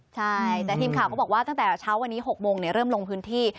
ใช่แต่ทีมข่าวเขาบอกว่าตั้งแต่เช้าวันนี้๖โมงเริ่มลงพื้นที่